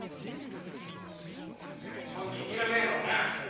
俺が一番気に入らねえのはな